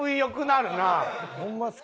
ホンマですか？